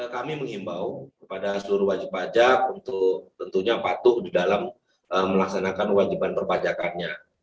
kami mengimbau kepada seluruh wajib pajak untuk tentunya patuh di dalam melaksanakan wajiban perpajakannya